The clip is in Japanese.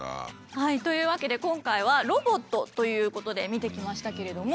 はいというわけで今回は「ロボット」ということで見てきましたけれども。